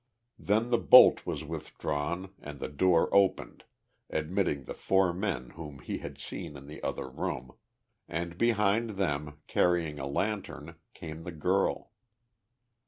Then the bolt was withdrawn and the door opened, admitting the four men whom he had seen in the other room, and behind them, carrying a lantern, came the girl.